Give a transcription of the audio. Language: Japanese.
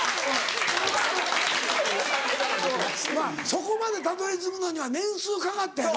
そこまでたどり着くのには年数かかったやろ？